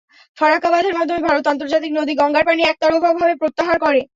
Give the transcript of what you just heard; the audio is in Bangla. ফারাক্কা বাঁধের মাধ্যমে ভারত আন্তর্জাতিক নদী গঙ্গার পানি একতরফাভাবে প্রত্যাহার করে।